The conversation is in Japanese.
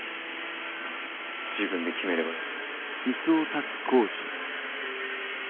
自分で決めればいい。